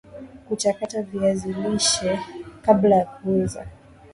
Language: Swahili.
kuchakata viazi lishe kabla ya kuuza